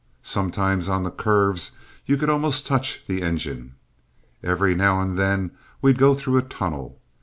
Sometimes on the curves you could almost touch the engine. Every now and then we'd go through a tunnel.